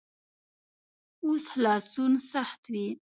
اوس خلاصون سخت وي.